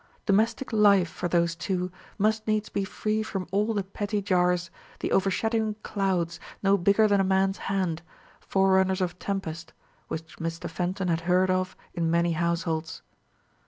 Domestic life for those two must needs be free from all the petty jars, the overshadowing clouds no bigger than a man's hand, forerunners of tempest, which Mr. Fenton had heard of in many households.